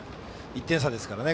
１点差ですからね